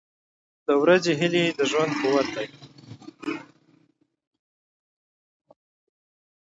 • د ورځې هیلې د ژوند قوت دی.